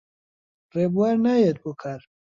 ڕێبوار نایەت بۆ کار.